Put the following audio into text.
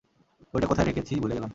বইটা কোথায় রেখেছি ভুলে গেলাম।